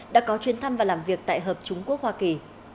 đã có chuyến thăm và làm việc tại hợp trung quốc hoa kỳ